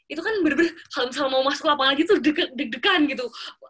itu kan bener bener kalau misal mau masuk lapangan gitu deg degan gitu